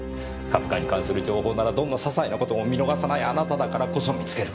株価に関する情報ならどんな些細な事も見逃さないあなただからこそ見つける事ができた。